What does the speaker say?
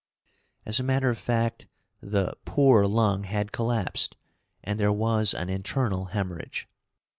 As a matter of fact, the "poor" lung had collapsed, and there was an internal hemorrhage.